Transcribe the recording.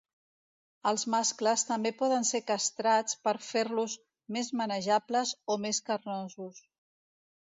Els mascles també poden ser castrats per fer-los més manejables o més carnosos.